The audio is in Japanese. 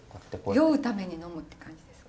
酔うために飲むって感じですか？